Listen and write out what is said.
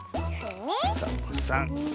サボさん。